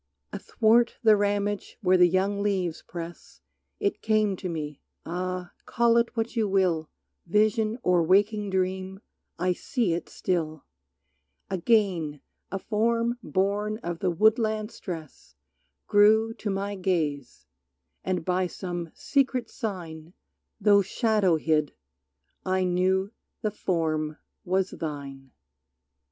Athwart the ramage where the young leaves press It came to me, ah, call it what you will Vision or waking dream, I see it still! Again a form born of the woodland stress Grew to my gaze, and by some secret sign Though shadow hid, I knew the form was thine.